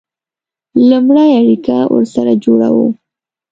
لومړی اړیکه ورسره جوړوو.